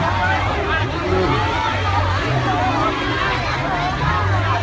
ก็ไม่มีเวลาให้กลับมาเท่าไหร่